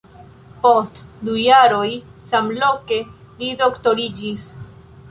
Post du jaroj samloke li doktoriĝis.